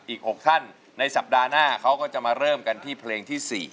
อีก๖ท่านในสัปดาห์หน้าเขาก็จะมาเริ่มกันที่เพลงที่๔